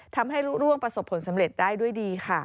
ทำให้ร่วงประสบผลสำเร็จได้ด้วยดีค่ะ